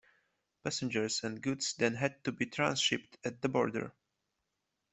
Passengers and goods then had to be transhipped at the border.